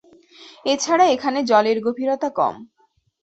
এছাড়া এখানে জলের গভীরতা কম।